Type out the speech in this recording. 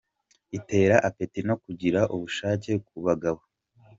Itera apeti no kugira ubushake ku bagabo.